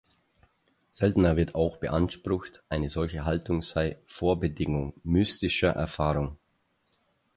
Seltener wird auch beansprucht, eine solche Haltung sei Vorbedingung mystischer Erfahrung.